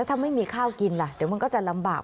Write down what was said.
ถ้าไม่มีข้าวกินล่ะเดี๋ยวมันก็จะลำบาก